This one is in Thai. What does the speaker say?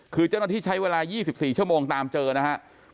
คือเจ้าหน้าที่ใช้เวลา๒๔ชั่วโมงตามเจอนะฮะ